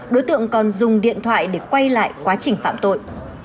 đối tượng còn dùng điện thoại để quay lại quá trình phạm tội